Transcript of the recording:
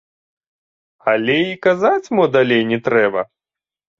Але й казаць мо далей не трэба?